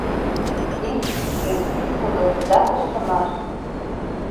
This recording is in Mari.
— Эн тӱҥжӧ — писылык да тыршымаш!